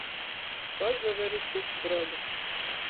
Pasaver i tu, Broņa...